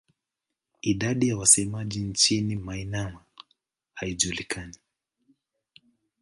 Idadi ya wasemaji nchini Myanmar haijulikani.